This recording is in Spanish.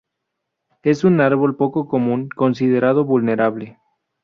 Es un árbol poco común, considerado vulnerable.